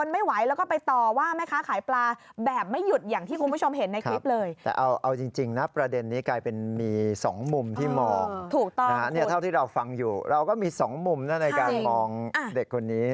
มีสองมุมในการมองเด็กคนนี้